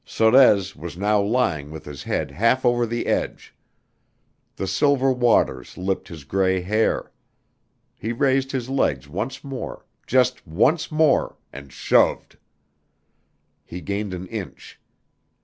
Sorez was now lying with his head half over the edge. The silver waters lipped his gray hair. He raised his legs once more just once more, and shoved. He gained an inch.